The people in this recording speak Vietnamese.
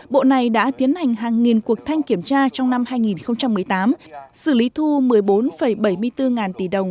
bộ này đã tiến hành hàng nghìn cuộc thanh kiểm tra trong năm hai nghìn một mươi tám xử lý thu một mươi bốn bảy mươi bốn ngàn tỷ đồng